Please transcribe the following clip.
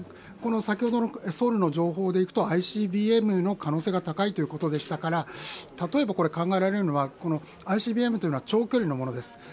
先ほどのソウルの情報でいくと、ＩＣＢＭの可能性が高いということでしたから、考えられるのはＩＣＢＭというのは長距離のものです。